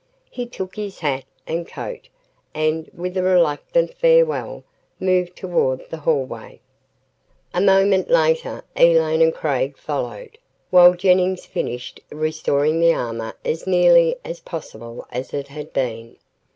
He took his hat and coat and, with a reluctant farewell, moved toward the hallway. A moment later Elaine and Craig followed, while Jennings finished restoring the armor as nearly as possible as it had been.